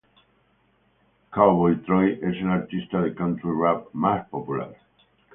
Cowboy Troy es el artista de country-rap más popular.